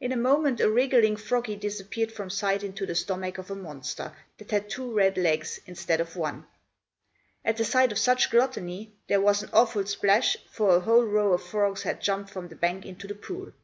In a moment, a wriggling froggy disappeared from sight into the stomach of a monster, that had two red legs, instead of one. At the sight of such gluttony, there was an awful splash, for a whole row of frogs had jumped from the bank into the pool.